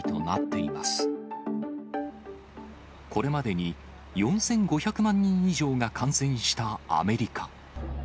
これまでに４５００万人以上が感染したアメリカ。